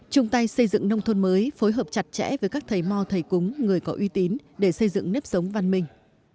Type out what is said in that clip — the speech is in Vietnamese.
chung tay xây dựng nông thôn mới phối hợp chặt chẽ với các thầy mò thầy cúng người có uy tín để xây dựng nếp sống văn minh